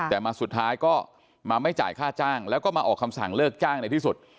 แต่มาสุดท้ายก็มาไม่จ่ายค่าจ้างแล้วก็มาออกคำสั่งเลิกจ้างในที่สุด